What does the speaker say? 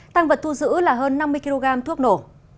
tăng vật thu giữ là hơn năm mươi kg thuốc nổ